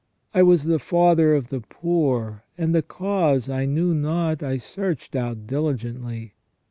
I was the father of the poor ; and the cause I knew not I searched out diligently.